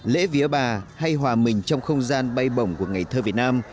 lễ viếng bà hay hòa mình trong không gian bay bổng của ngày thơ việt nam